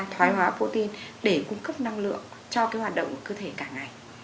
thoái hóa protein để cung cấp năng lượng cho cái hoạt động của cơ thể cả ngày